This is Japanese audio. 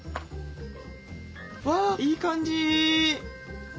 わあいい感じ！